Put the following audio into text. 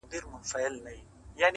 ستا د پښې پايزيب مي تخنوي گلي